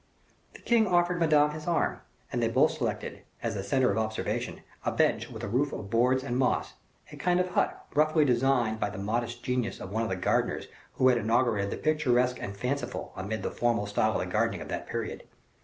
The king offered Madame his arm, and they both selected, as the center of observation, a bench with a roof of boards and moss, a kind of hut roughly designed by the modest genius of one of the gardeners who had inaugurated the picturesque and fanciful amid the formal style of the gardening of that period.